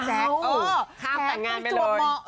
อ้าวคาดแต่งงานไปโดยค่ะเออแทนไปจัวหมอ